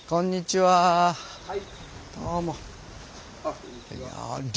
はい。